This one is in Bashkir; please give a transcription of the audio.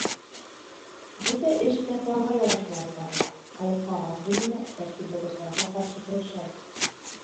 — Бөтә эш тә планға ярашлы алып барыла: халыҡҡа ағас бүленә, тәртип боҙоусыларға ҡаршы көрәшәбеҙ.